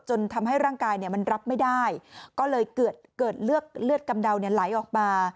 ทำให้ร่างกายมันรับไม่ได้ก็เลยเกิดเลือดกำเดาไหลออกมา